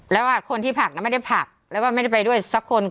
แล้วคนที่ผักไม่ได้ผักแล้วก็ไม่ได้ไปด้วยสักคน